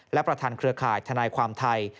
และประธานเครือข่ายทนายความไทย